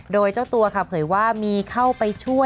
โดยเจ้าตัวค่ะเผยว่ามีเข้าไปช่วย